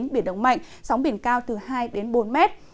biển động mạnh sóng biển cao từ hai đến bốn mét